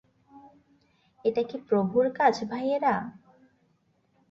এটা কি প্রভুর কাজ, ভাইয়েরা?